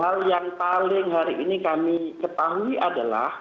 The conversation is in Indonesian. hal yang paling hari ini kami ketahui adalah